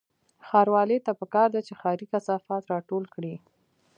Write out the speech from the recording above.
ښاروالۍ ته پکار ده چې ښاري کثافات راټول کړي